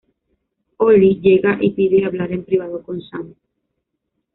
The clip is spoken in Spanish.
Olly llega y pide hablar en privado con Sam.